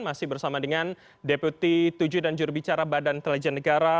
masih bersama dengan deputi tujuh dan jurubicara badan intelijen negara